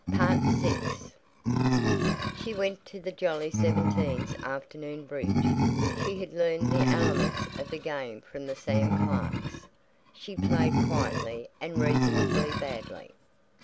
VI She went to the Jolly Seventeen's afternoon bridge. She had learned the elements of the game from the Sam Clarks. She played quietly and reasonably badly.